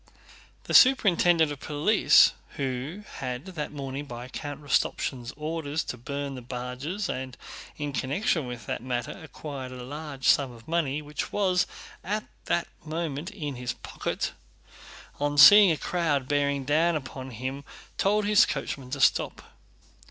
The superintendent of police, who had gone that morning by Count Rostopchín's orders to burn the barges and had in connection with that matter acquired a large sum of money which was at that moment in his pocket, on seeing a crowd bearing down upon him told his coachman to stop.